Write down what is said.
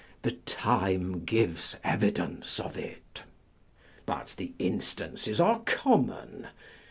" The time gives evidence of it." But the instances are common.